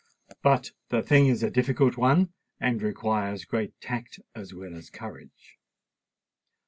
But the thing is a difficult one, and requires great tact as well as courage."